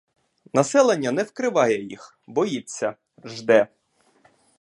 Населення не викриває їх, боїться, жде.